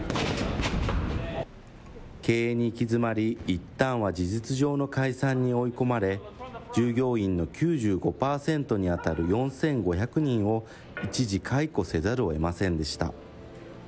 経営に行き詰まり、いったんは事実上の解散に追い込まれ、従業員の９５％に当たる４５００人を一時解雇せざるをえませんでした。